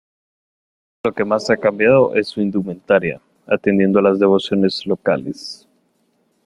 Lo que más ha cambiado es su indumentaria, atendiendo a las devociones locales.